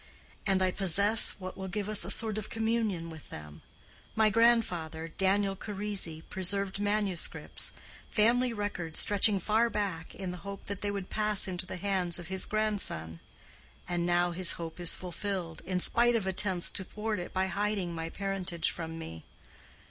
And I possess what will give us a sort of communion with them. My grandfather, Daniel Charisi, preserved manuscripts, family records stretching far back, in the hope that they would pass into the hands of his grandson. And now his hope is fulfilled, in spite of attempts to thwart it by hiding my parentage from me.